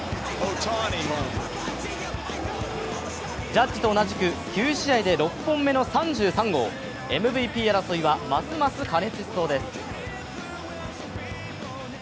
ジャッジと同じく９試合で６本目の３３号ＭＶＰ争いは、ますます過熱しそうです。